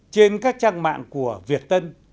trên các trang mạng của việt tân